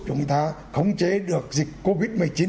chúng ta khống chế được dịch covid một mươi chín